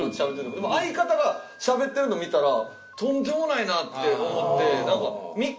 でも相方がしゃべってるの見たらとんでもないなって思って。